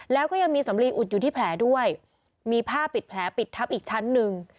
แล้วก็ยังมีสำลีอุดอยู่ที่แผลด้วยมีผ้าปิดแผลปิดทับอีกชั้นหนึ่ง